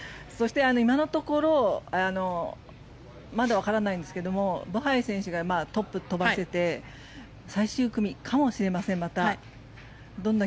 今のところまだわからないんですがブハイ選手がトップで飛ばしていてまた最終組かもしれません。